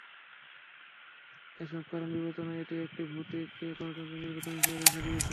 এসব কারণ বিবেচনায় এটি একটি ভৌতিক গণতান্ত্রিক নির্বাচন হিসেবে দেখা দিয়েছে।